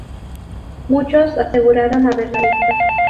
Muchos aseguraron haberla visto.